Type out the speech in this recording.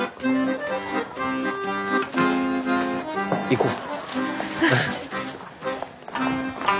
行こう。